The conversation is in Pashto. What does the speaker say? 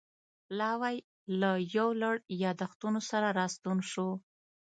پلاوی له یو لړ یادښتونو سره راستون شو.